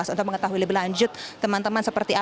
untuk mengetahui lebih lanjut teman teman seperti apa